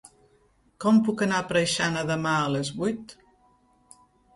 Com puc anar a Preixana demà a les vuit?